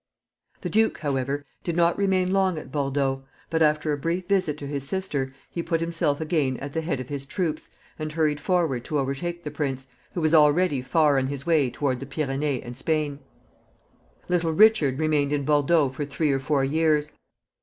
The duke, however, did not remain long at Bordeaux, but, after a brief visit to his sister, he put himself again at the head of his troops, and hurried forward to overtake the prince, who was already far on his way toward the Pyrenees and Spain. Little Richard remained in Bordeaux for three or four years.